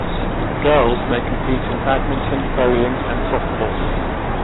Girls may compete in badminton, bowling, and softball.